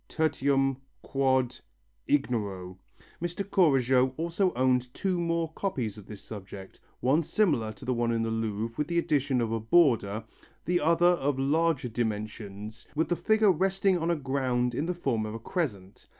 TERTIOM. QVOD. IGNORO." Mr. Courajod also owned two more copies of this subject, one similar to the one of the Louvre with the addition of a border, the other of larger dimensions with the figure resting on a ground in the form of a crescent.